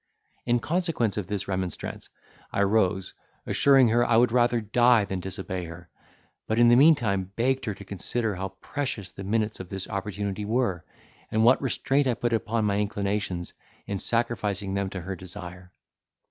In consequence of this remonstrance, I rose, assuring her I would rather die than disobey her: but in the meantime begged her to consider how precious the minutes of this opportunity were, and what restraint I put upon my inclinations, in sacrificing them to her desire.